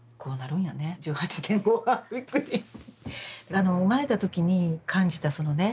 あの生まれた時に感じたそのね